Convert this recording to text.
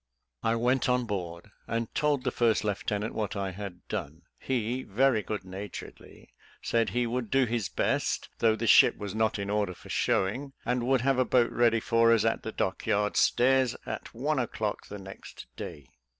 I went on board, and told the first lieutenant what I had done; he, very good naturedly, said he would do his best, though the ship was not in order for showing, and would have a boat ready for us at the dock yard stairs at one o'clock the next day.